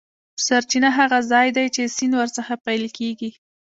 سرچینه هغه ځاي دی چې سیند ور څخه پیل کیږي.